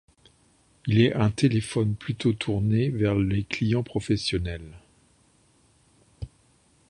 Il est un téléphone plutôt tourné vers les clients professionnels.